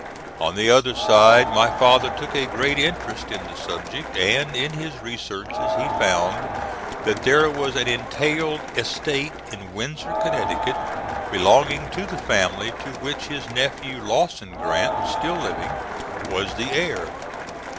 On the other side, my father took a great interest in the subject, and in his researches, he found that there was an entailed estate in Windsor, Connecticut, belonging to the family, to which his nephew, Lawson Grant still living was the heir.